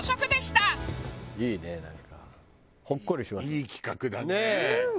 いい企画だねこれ。